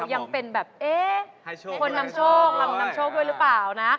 ยังเป็นแบบเอ๊ะคนนำโชคด้วยหรือเปล่านะ